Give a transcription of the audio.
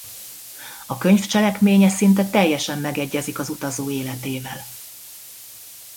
A könyv cselekménye szinte teljesen megegyezik az utazó életével.